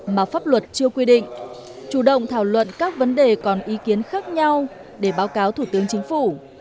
mà pháp luật chưa quy định chủ động thảo luận các vấn đề còn ý kiến khác nhau để báo cáo thủ tướng chính phủ